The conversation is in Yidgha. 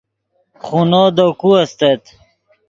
خونو دے کو استت